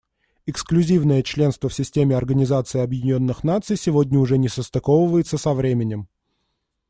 Эксклюзивное членство в системе Организации Объединенных Наций сегодня уже не состыковывается со временем.